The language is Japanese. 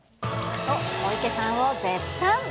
と、小池さんを絶賛。